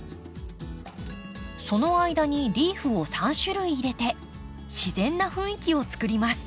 その間にリーフを３種類入れて自然な雰囲気を作ります。